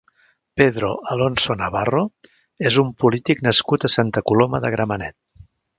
Pedro Alonso Navarro és un polític nascut a Santa Coloma de Gramenet.